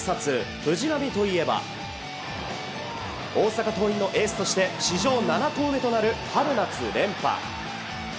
藤浪といえば大阪桐蔭のエースとして史上７校目となる春夏連覇。